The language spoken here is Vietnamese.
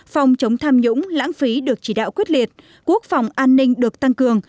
phòng chống tham nhũng lãng phí được chỉ đạo quyết liệt quốc phòng an ninh được tăng cường